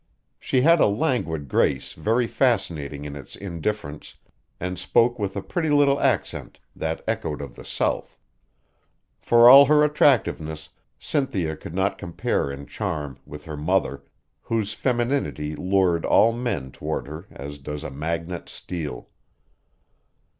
She had a languid grace very fascinating in its indifference and spoke with a pretty little accent that echoed of the South. For all her attractiveness, Cynthia could not compare in charm with her mother whose femininity lured all men toward her as does a magnet steel.